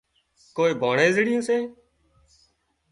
ڪوئي ڀانڻزڙيون سي